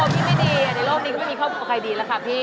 ครับมันค่อยดีละครับพี่